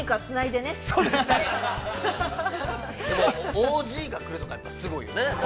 でも、ＯＧが来るとかって、すごいよね。